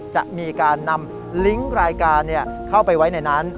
จะมีการนำลิงก์รายการเข้าไปไว้ในนั้น